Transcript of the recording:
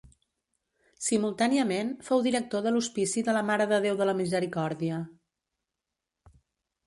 Simultàniament, fou director de l'Hospici de la Mare de Déu de la Misericòrdia.